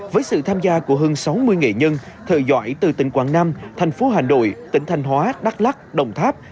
với sự tham gia của hơn sáu mươi nghệ nhân thợ giỏi từ tỉnh quảng nam thành phố hà nội tỉnh thanh hóa đắk lắc đồng tháp